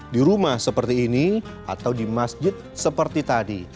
di rumah seperti ini atau di masjid seperti tadi